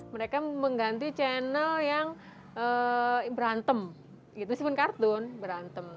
mereka mengganti channel yang berantem misalkan kartun berantem